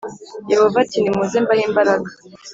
Yehova ati nimuze mbahe imbaraga